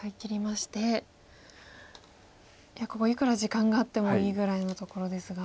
いやここいくら時間があってもいいぐらいのところですが。